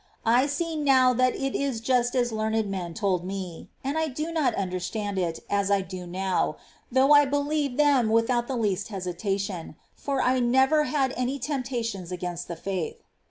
I see now that it is just as learned men told me ; and I did not understand it as I do now, though I believed them without the least hesitation ; for I never had any temptations against the faith.